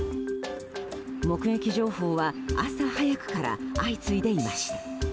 目撃情報は朝早くから相次いでいました。